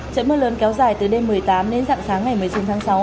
chợi mưa lớn kéo dài từ đêm một mươi tám đến dặm sáng ngày một mươi chín tháng sáu